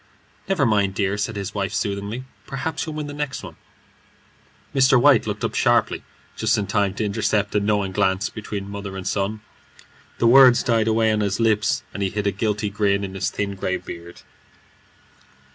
"Never mind, dear," said his wife, soothingly; "perhaps you'll win the next one." Mr. White looked up sharply, just in time to intercept a knowing glance between mother and son. The words died away on his lips, and he hid a guilty grin in his thin grey beard.